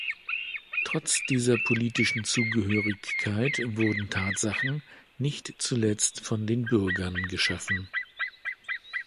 Trotz dieser politischen Zugehörigkeit wurden Tatsachen, nicht zuletzt von den Bürgern, geschaffen.